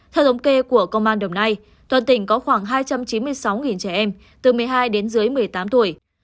theo thống kê của công an đồng nai toàn tỉnh có khoảng hai trăm chín mươi sáu trẻ em từ một mươi hai đến dưới một mươi tám tuổi